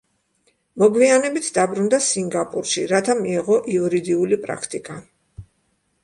მოგვიანებით დაბრუნდა სინგაპურში, რათა მიეღო იურიდიული პრაქტიკა.